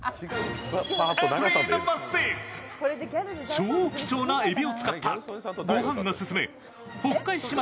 超貴重なえびを使った御飯が進む北海しま